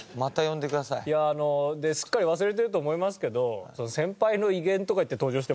いやあのすっかり忘れてると思いますけど。